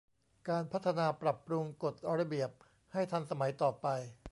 การพัฒนาปรับปรุงกฎระเบียบให้ทันสมัยต่อไป